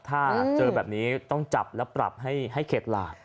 ถ้าเจอแบบนี้ต้องจับและปรับให้เข็ดหลาด